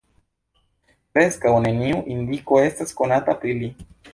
Preskaŭ neniu indiko estas konata pri li.